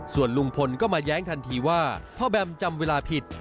ส่วนลุงพลก็มาแย้งทันทีว่าพ่อแบมจำเวลาผิด